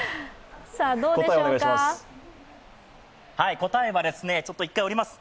答えは、１回、降ります。